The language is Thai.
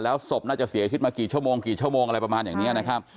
แล้วศพเน่าจะเสียอีกกี่ชมอะไรประมาณอย่างนี้